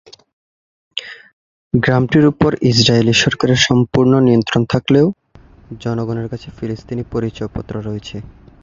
গ্রামটির উপর ইসরায়েলি সরকারের সম্পূর্ণ নিয়ন্ত্রণ থাকলেও, জনগণের কাছে ফিলিস্তিনি পরিচয়পত্র রয়েছে।